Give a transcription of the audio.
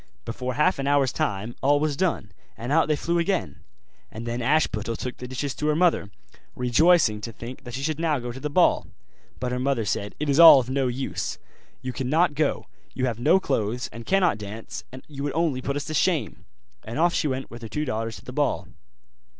Before half an hour's time all was done, and out they flew again. And then Ashputtel took the dishes to her mother, rejoicing to think that she should now go to the ball. But her mother said, 'It is all of no use, you cannot go; you have no clothes, and cannot dance, and you would only put us to shame': and off she went with her two daughters to the ball.